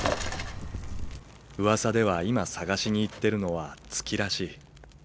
うわさでは今探しに行ってるのは月らしい。